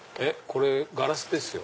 これガラスですよ。